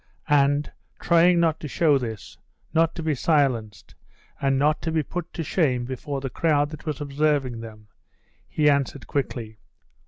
And trying not to show this, not to be silenced, and not to be put to shame before the crowd that was observing them, he answered quickly.